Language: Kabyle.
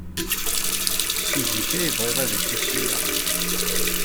Seg zik ay bɣiɣ ad k-ssneɣ.